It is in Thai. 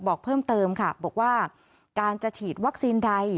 บอกเพิ่มเติมค่ะบอกว่าการจะฉีดวัคซีนใด